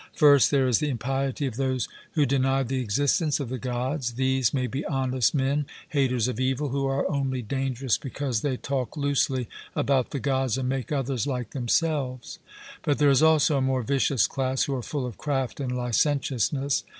First, there is the impiety of those who deny the existence of the Gods; these may be honest men, haters of evil, who are only dangerous because they talk loosely about the Gods and make others like themselves; but there is also a more vicious class, who are full of craft and licentiousness.